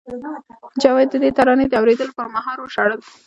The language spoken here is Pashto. جاوید د دې ترانې د اورېدو پر مهال وژړل